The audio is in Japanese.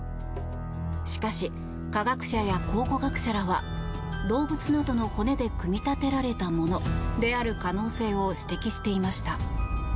しかし、科学者や考古学者らは動物などの骨で組み立てられたものである可能性を指摘していました。